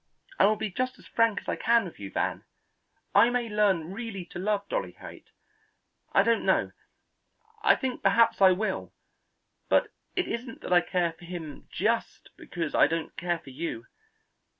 I will be just as frank as I can with you, Van. I may learn really to love Dolly Haight; I don't know, I think perhaps I will, but it isn't that I care for him just because I don't care for you.